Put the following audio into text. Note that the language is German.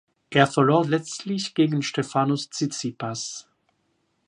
Er verlor letztlich gegen Stefanos Tsitsipas.